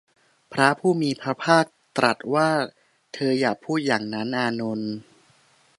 พระผู้มีพระภาคตรัสว่า เธออย่าพูดอย่างนั้น อานนท์